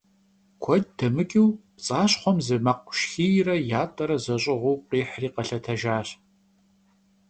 Kued demıç'ıu pts'aşxhuem zı mekhu şşxiyre yat'ere zeş'ığuu khihri, khelhetejjaş.